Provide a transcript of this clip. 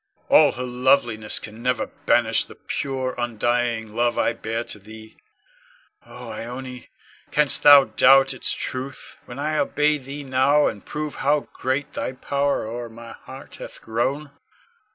All her loveliness can never banish the pure, undying love I bear to thee. Oh, Ione, canst thou doubt its truth, when I obey thee now and prove how great thy power o'er my heart hath grown?